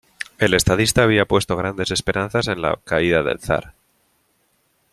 El estadista había puesto grandes esperanzas en la caída del zar.